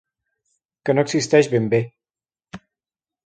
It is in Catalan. Que no existeix ben bé.